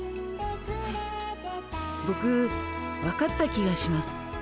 ボク分かった気がします。